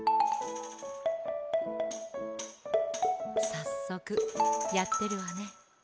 さっそくやってるわね。